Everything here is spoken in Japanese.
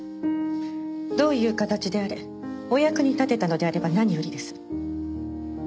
どういう形であれお役に立てたのであれば何よりです。